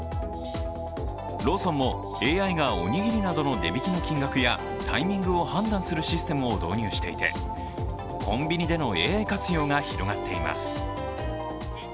ローソンもＡＩがおにぎりなどの値引きの金額やタイミングを判断するシステムを導入していて、コンビニでのＡＩ活用が広がっています。